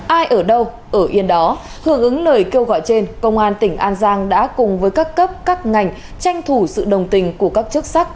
ai ở đâu ở yên đó hưởng ứng lời kêu gọi trên công an tỉnh an giang đã cùng với các cấp các ngành tranh thủ sự đồng tình của các chức sắc